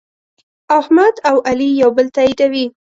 احمد او علي یو بل تأییدوي.